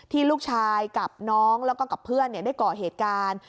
ลูกชายกับน้องแล้วก็กับเพื่อนได้ก่อเหตุการณ์